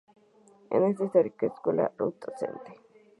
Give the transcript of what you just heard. En esta histórica escuela Ruth St.